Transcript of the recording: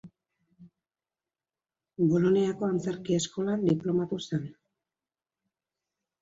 Boloniako Antzerki Eskolan diplomatu zen.